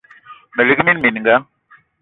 Me lik mina mininga